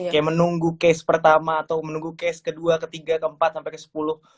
kayak menunggu case pertama atau menunggu case kedua ketiga keempat sampai ke sepuluh